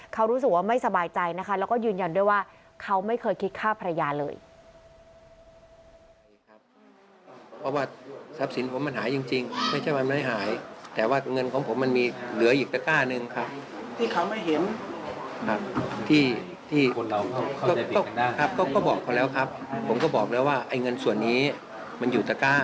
เขารู้สึกว่าไม่สบายใจนะคะแล้วก็ยืนยันด้วยว่าเขาไม่เคยคิดฆ่าภรรยาเลย